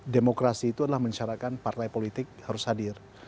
demokrasi itu adalah mencarakan partai politik harus hadir